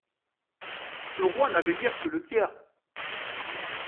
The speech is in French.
Le roi n'avait guère que le tiers.